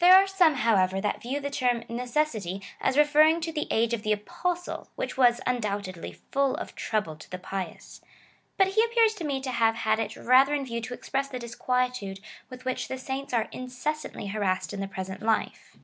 There are some, however, that view the term necessity as referring to the age of the Apostle, which was, undoubtedly, full of trouble to the i:>ious : but he appears to me to have had it rather in view to express the disquietude with which the saints are inces santly harassed in the present life.